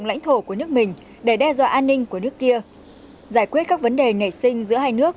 lãnh thổ của nước mình để đe dọa an ninh của nước kia giải quyết các vấn đề nảy sinh giữa hai nước